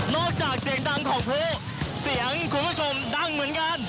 จากเสียงดังของผู้เสียงคุณผู้ชมดังเหมือนกัน